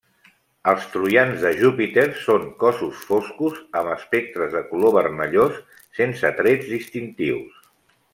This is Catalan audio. Els troians de Júpiter són cossos foscos amb espectres de color vermellós, sense trets distintius.